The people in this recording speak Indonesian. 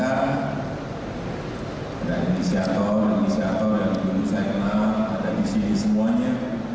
ada inisiator inisiator yang belum saya kenal ada di sini semuanya